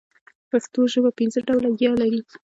پښتو ژبه پنځه ډوله ي لري.